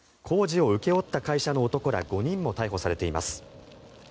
工事を請け負った会社の男ら５人も逮捕されています。